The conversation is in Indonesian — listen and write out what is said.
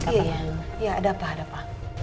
iya ada apa apa